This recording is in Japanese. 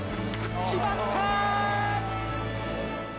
決まった！